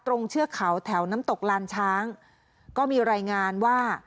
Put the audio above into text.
เทือกเขาแถวน้ำตกลานช้างก็มีรายงานว่า